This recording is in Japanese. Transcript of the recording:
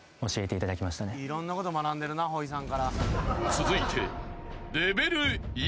［続いて］